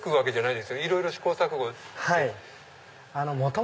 いろいろ試行錯誤して。